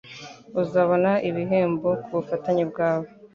Uzabona ibihembo kubufatanye bwawe.